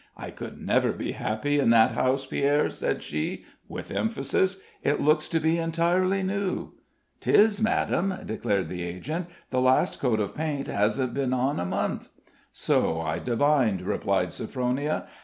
"I could never be happy in that house, Pierre," said she, with emphasis; "it looks to be entirely new." "'Tis, ma'am," declared the agent; "the last coat of paint hasn't been on a month." "So I divined," replied Sophronia.